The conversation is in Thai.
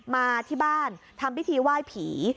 มาที่บ้านทำพิธีไหว้ผี